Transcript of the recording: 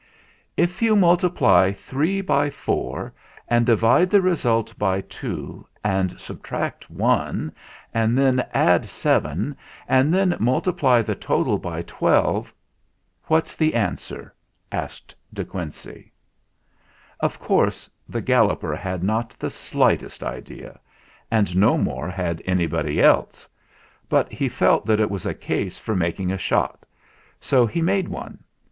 "If you multiply three by four, and divide the result by two, and subtract one, and then add seven, and then multiply the total by twelve, what's the answer ?" asked De Quincey. Of course the Galloper had not the slightest idea, and no more had anybody else ; but he felt that it was a case for making a shot, so he made one.